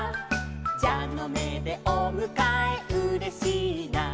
「じゃのめでおむかえうれしいな」